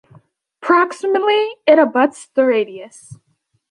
Proximally, it abuts the radius.